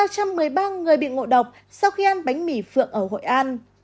ba trăm một mươi ba người bị ngộ độc sau khi ăn bánh mì phượng ở hội an